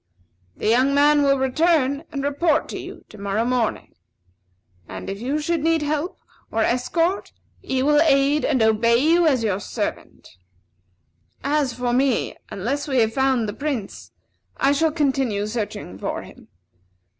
The young man will return and report to you to morrow morning. And if you should need help, or escort, he will aid and obey you as your servant. As for me, unless we have found the Prince, I shall continue searching for him.